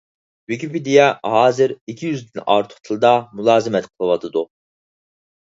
ۋىكىپېدىيە ھازىر ئىككى يۈزدىن ئارتۇق تىلدا مۇلازىمەت قىلىۋاتىدۇ.